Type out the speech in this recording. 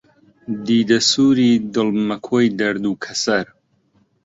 دیدە سووری، دڵ مەکۆی دەرد و کەسەر